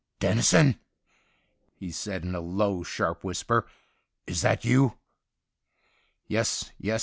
' Dennison,' he said, in a low, sharp whisper, is that you ?'* Yes, yes.